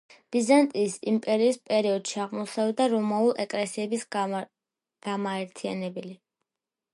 ბიზანტიის იმპერიის პერიოდში აღმოსავლეთ და რომაული ეკლესიების გამაერთიანებელი.